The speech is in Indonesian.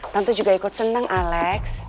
tante juga ikut seneng alex